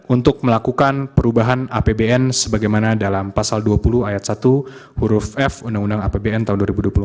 untuk melakukan perubahan apbn sebagaimana dalam pasal dua puluh ayat satu huruf f undang undang apbn tahun dua ribu dua puluh empat